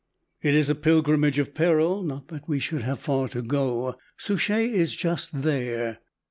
It is a pilgrimage of peril; not that we should have far to go Souchez is just there.